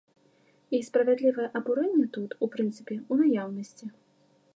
І справядлівае абурэнне тут, у прынцыпе, у наяўнасці.